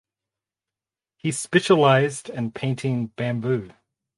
He specialized in painting bamboo.